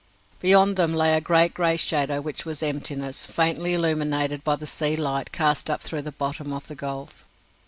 Beyond them lay a great grey shadow which was emptiness, faintly illumined by the sea light cast up through the bottom of the gulf.